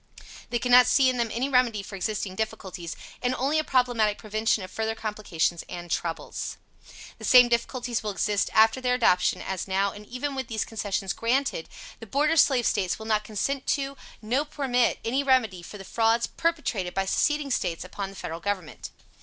They could not see in them any remedy for existing difficulties, and only a problematical prevention of further complications and troubles. The same difficulties will exist after their adoption as now and even with these concessions granted, the Border Slave States will not consent to, no permit, any remedy for the frauds perpetrated by seceding States upon the Federal Government.